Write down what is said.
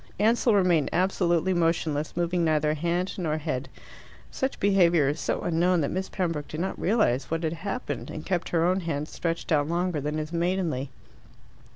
Ansell remained absolutely motionless, moving neither hand nor head. Such behaviour is so unknown that Miss Pembroke did not realize what had happened, and kept her own hand stretched out longer than is maidenly.